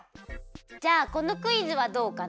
じゃあこのクイズはどうかな？